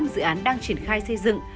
ba mươi năm dự án đang triển khai xây dựng